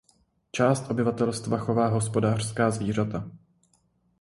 Část obyvatelstva chová hospodářská zvířata.